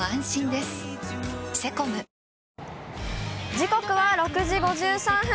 時刻は６時５３分。